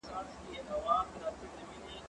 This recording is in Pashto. زه مخکي سبزیجات جمع کړي وو